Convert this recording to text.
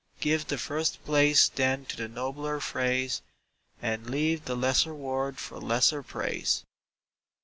Give the first place then to the nobler phrase, And leave the lesser word for lesser praise.